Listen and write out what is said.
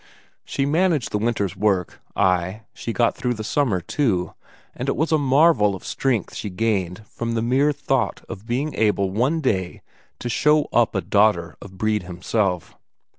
She managed the winter's work; ay, she got through the summer, too, and it was a marvel of strength she gained from the mere thought of being able one day to show up a daughter of Brede himself.